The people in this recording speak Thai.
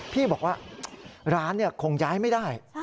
พี่บอกว่าร้านคงย้ายไม่ได้